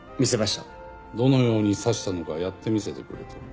どのように刺したのかやって見せてくれと。